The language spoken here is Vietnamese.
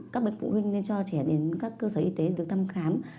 các bệnh phụ huynh nên cho trẻ đến các cơ sở y tế được tâm khám